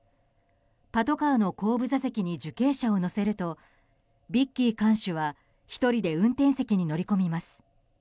パトカーの後部座席に受刑者を乗せるとビッキー看守は１人で運転席に乗り込みます。